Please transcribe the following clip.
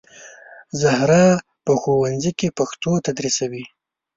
زهرا په ښوونځي کې پښتو تدریسوي